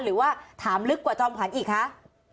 หรือว่าถามลึกกว่าจอมขวัญอีกคะ